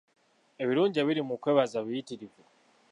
Ebirungi ebiri mu kwebaza biyitirivu.